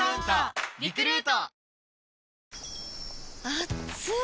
あっつい！